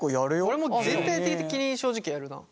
俺も全体的に正直やるな。